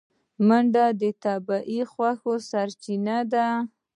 منډه د طبیعي خوښیو سرچینه ده